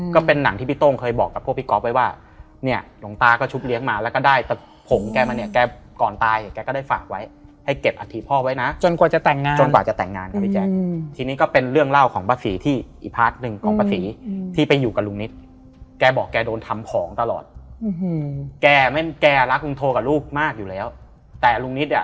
ก็เป็นหนังที่พี่โต้งเคยบอกกับพวกพี่ก๊อฟไว้ว่าเนี่ยหลวงตาก็ชุบเลี้ยงมาแล้วก็ได้แต่ผงแกมาเนี่ยแกก่อนตายแกก็ได้ฝากไว้ให้เก็บอัฐิพ่อไว้นะจนกว่าจะแต่งงานจนกว่าจะแต่งงานครับพี่แจ๊คทีนี้ก็เป็นเรื่องเล่าของป้าศรีที่อีพาร์ทหนึ่งของป้าศรีที่ไปอยู่กับลุงนิดแกบอกแกโดนทำของตลอดแกไม่แกรักลุงโทกับลูกมากอยู่แล้วแต่ลุงนิดอ่ะ